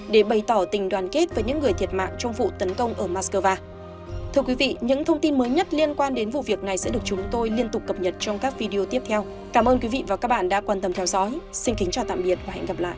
để bày tỏ tình đoàn kết với những người thiệt mạng trong vụ tấn công ở moscow